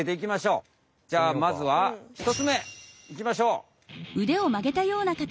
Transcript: じゃあまずはひとつめいきましょう。